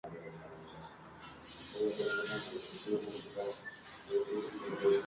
En los siguientes años ambos trabajaron en colaboración, siempre para Vitagraph.